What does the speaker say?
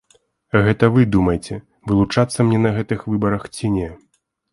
Гэта вы думайце, вылучацца мне на гэтых выбарах ці не.